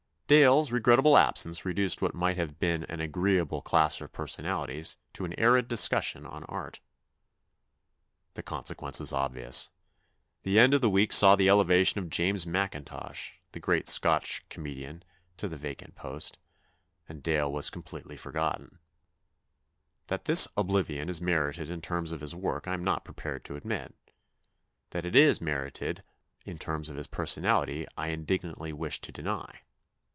Dale's regrettable absence reduced what might have been an agreeable clash of personalities to an arid discussion on art. The consequence was obvious. The end of the week saw the elevation of James Macintosh, the great Scotch comedian, to the vacant post, and Dale was completely for gotten. That this oblivion is merited in terms of his work I am not prepared to admit ; that it is merited in terms of his personality I indignantly wish to deny.